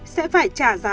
sẽ phải trả giá